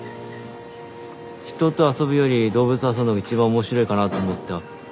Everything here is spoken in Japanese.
人と遊ぶより動物と遊んだ方が一番面白いかなと思った。